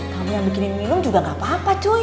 kamu yang bikinin minum juga gak apa apa cu